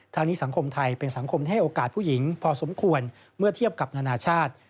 ทางนี้สังคมไทยเป็นสังคมที่ให้โอกาสผู้หญิงพอสมควรเมื่อเทียบกับนานาชาติ